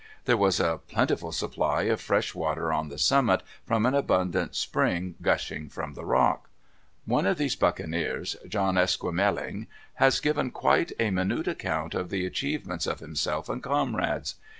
There was a plentiful supply of fresh water on the summit, from an abundant spring gushing from the rock. One of these buccaneers, John Esquemeling, has given quite a minute account of the achievements of himself and comrades.